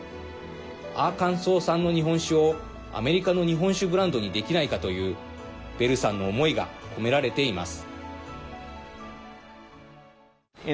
アーカンソー産の日本酒をアメリカの日本酒ブランドにできないかというベルさんの思いが込められています。